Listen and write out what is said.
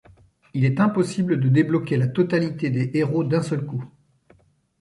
Il est impossible de débloquer la totalité des Héros d'un seul coup.